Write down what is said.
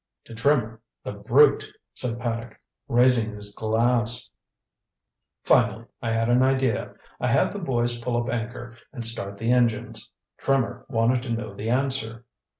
"To Trimmer, the brute," said Paddock, raising his glass. "Finally I had an idea. I had the boys pull up anchor and start the engines. Trimmer wanted to know the answer.